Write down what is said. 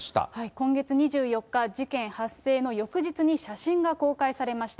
今月２４日、事件発生の翌日に、写真が公開されました。